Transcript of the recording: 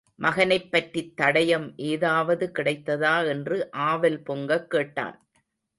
மகனைப் பற்றித் தடயம் ஏதாவது கிடைத்ததா என்று ஆவல் பொங்கக் கேட்டான்.